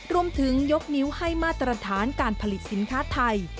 รวมถึงยกนิ้วให้มาตรฐานการผลิตสินค้าไทย